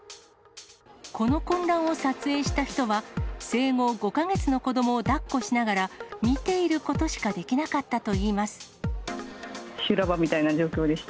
この混乱を撮影した人は、生後５か月の子どもをだっこしながら、見ていることしかできなか修羅場みたいな状況でした。